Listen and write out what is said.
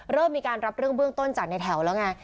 เริ่มมีการรับเรื่องเบื้องต้นจากในแถวแล้วไง